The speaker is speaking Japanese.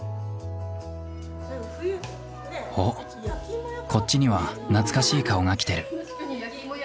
おっこっちには懐かしい顔が来てる。